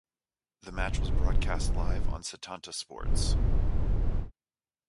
The match was broadcast live on Setanta Sports.